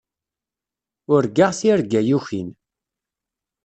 Urgaɣ tirga yukin.